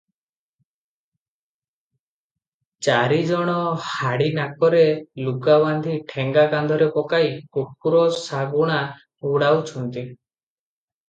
ଚାରିଜଣ ହାଡ଼ି ନାକରେ ଲୁଗା ବାନ୍ଧି ଠେଙ୍ଗା କାନ୍ଧରେ ପକାଇ କୁକୁର ଶାଗୁଣା ଘଉଡ଼ାଉଥାନ୍ତି ।